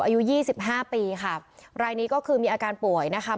อายุยี่สิบห้าปีค่ะรายนี้ก็คือมีอาการป่วยนะคะ